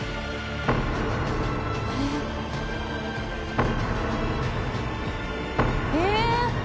えっえ！